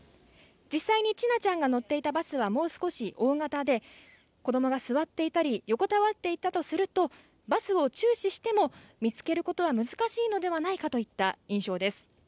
実際に千奈ちゃんが乗っていたバスはもう少し大型で子供が座っていたり横たわっていたとすると、バスを注視しても見つけることは難しいのではないかといった印象です。